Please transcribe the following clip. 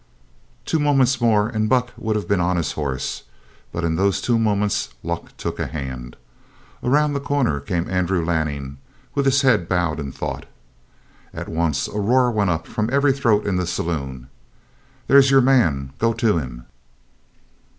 Two moments more and Buck would have been on his horse, but in those two moments luck took a hand. Around the corner came Andrew Lanning with his head bowed in thought. At once a roar went up from every throat in the saloon: "There's your man. Go to him!"